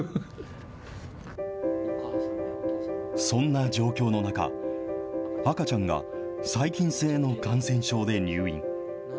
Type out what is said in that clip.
そんな状況の中、赤ちゃんが細菌性の感染症で入院。